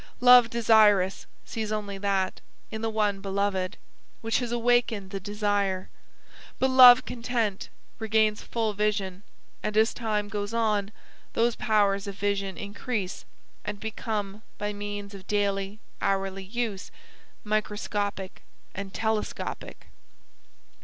Love desirous, sees only that, in the one beloved, which has awakened the desire. But Love content, regains full vision, and, as time goes on, those powers of vision increase and become, by means of daily, hourly, use, microscopic and telescopic.